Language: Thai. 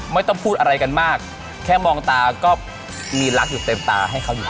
ไม่ต้องพูดอะไรกันมากแค่มองตาก็มีรักอยู่เต็มตาให้เขาอยู่